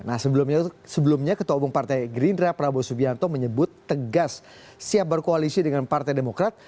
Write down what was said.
nah sebelumnya ketua umum partai gerindra prabowo subianto menyebut tegas siap berkoalisi dengan partai demokrat